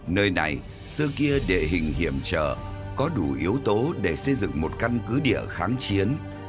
nơi này xưa kia để hình hiểm trợ có đủ yếu tố để xây dựng một căn cứ địa kháng chiến